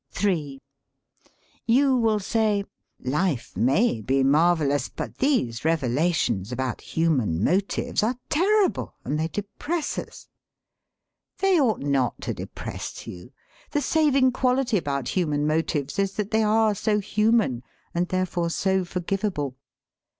THE MEANING OF FROCKS 93 i m You will say: Life may be maryellous, but these revelations about human motives are terrible, and they de press us." They ought not to depress you. The saving quality about human motives is that they are so human, and therefore so forgivable.